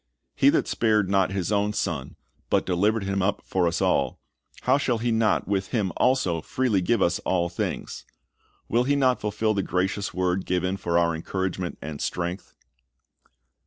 "He that spared not His own Son, but delivered Him up for us all, how shall He not with Him also freely give us all things?"^ Will He not fulfil the gracious word given for our encouragement and strength?